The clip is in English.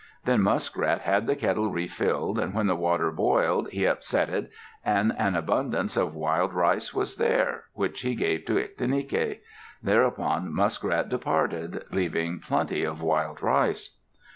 Then Muskrat had the kettle refilled, and when the water boiled he upset it, and an abundance of wild rice was there, which he gave to Ictinike. Thereupon Muskrat departed, leaving plenty of wild rice.